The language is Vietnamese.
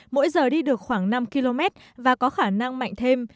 mỗi giờ đi được khoảng năm km và có khả năng mạnh thêm